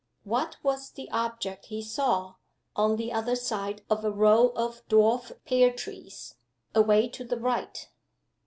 What was the object he saw, on the other side of a row of dwarf pear trees, away to the right?